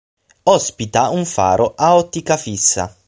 Ospita un faro a ottica fissa.